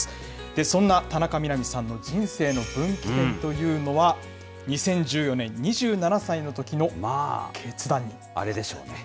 そんな田中みな実さんの人生の分岐点というのは、２０１４年、２あれでしょうね。